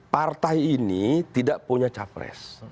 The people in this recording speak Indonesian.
partai ini tidak punya capres